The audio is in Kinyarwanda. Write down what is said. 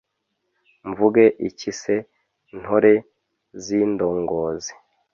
mvuge iki se ntore z’indongozi